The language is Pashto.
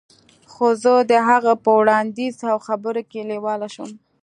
خو زه د هغه په وړاندیز او خبرو کې لیواله شوم